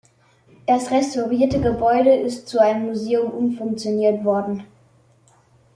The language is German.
Das restaurierte Gebäude ist zu einem Museum umfunktioniert worden.